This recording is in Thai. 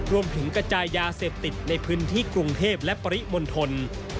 รวมถึงกระจายยาเสพติดในพื้นที่กรุงเทพและปริมณฑล